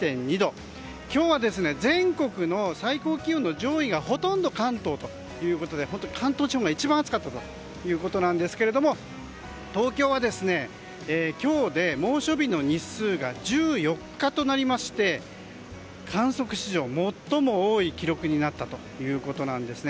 今日は全国の最高気温の上位がほとんど関東ということで関東地方が一番暑かったということですが東京は今日で猛暑日の日数が１４日となりまして観測史上最も多い記録になったということです。